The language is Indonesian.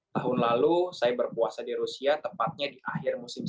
tahun lalu saya berpuasa di rusia tepatnya di akhir musim hujan